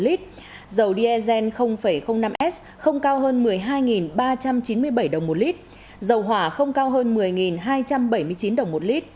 dầu diesel năm s không cao hơn một mươi hai ba trăm chín mươi bảy đồng một lít dầu hỏa không cao hơn một mươi hai trăm bảy mươi chín đồng một lít